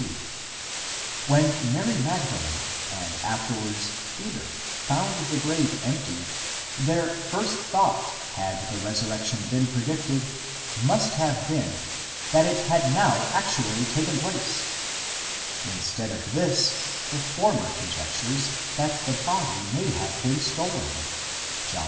3); when Mary Magdalene, and afterwards Peter, found the grave empty, their first thought, had the resur rection been predicted, must have been, that it had now actually taken place: instead of this, the former conjectures that the body may have been stolen (John xx.